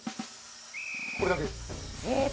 これだけです。